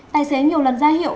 tài xế nhiều lần ra hiệu